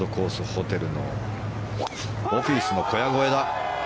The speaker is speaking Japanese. ホテルのオフィスの小屋越えだ。